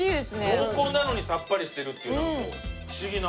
濃厚なのにさっぱりしてるっていうなんか不思議な。